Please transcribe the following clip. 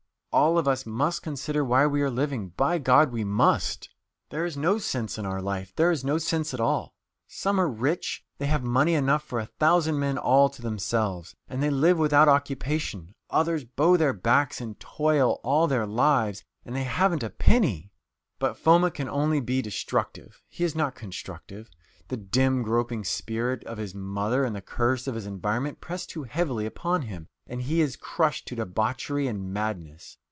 All of us must consider why we are living, by God, we must! There is no sense in our life there is no sense at all. Some are rich they have money enough for a thousand men all to themselves and they live without occupation; others bow their backs in toil all their life, and they haven't a penny." But Foma can only be destructive. He is not constructive. The dim groping spirit of his mother and the curse of his environment press too heavily upon him, and he is crushed to debauchery and madness.